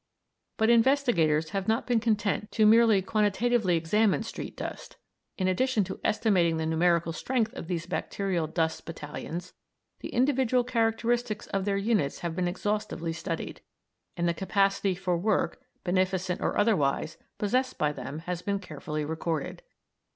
But investigators have not been content to merely quantitatively examine street dust; in addition to estimating the numerical strength of these bacterial dust battalions, the individual characteristics of their units have been exhaustively studied, and the capacity for work, beneficent or otherwise, possessed by them has been carefully recorded.